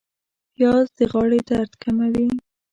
پیاز د غاړې درد کموي